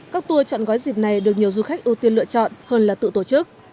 các tour chọn gói dịp này được nhiều du khách ưu tiên lựa chọn hơn là tự tổ chức